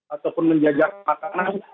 ataupun menjaga makanan